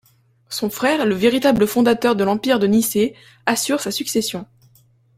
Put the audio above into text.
Son frère, le véritable fondateur de l’Empire de Nicée, assure sa succession.